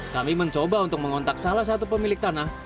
kami mencoba untuk mengontak salah satu pemilik tanah